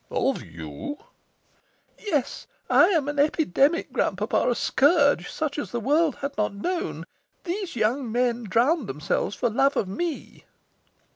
"Of you?" "Yes. I am an epidemic, grand papa, a scourge, such as the world has not known. Those young men drowned themselves for love of me."